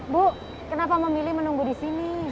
bu kenapa memilih menunggu di sini